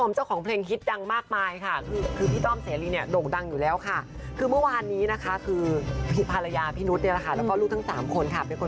จัดเวลาใหญ่แบบนี้แดนเซอร์มารอเลย